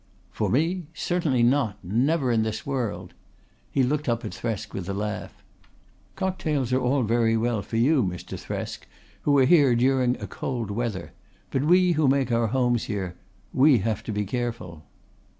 "For me? Certainly not! Never in this world." He looked up at Thresk with a laugh. "Cocktails are all very well for you, Mr. Thresk, who are here during a cold weather, but we who make our homes here we have to be careful."